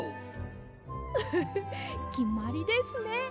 フフきまりですね。